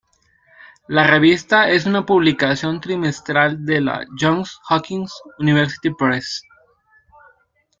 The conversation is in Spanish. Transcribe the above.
La revista es una publicación trimestral de la Johns Hopkins University Press.